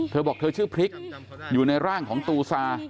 เธอบอกเธอชื่อพริกอยู่ในร่างของตูซา